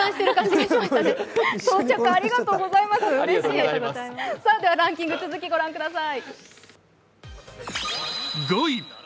ではランキング、続きご覧ください。